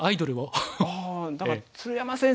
ああだから鶴山先生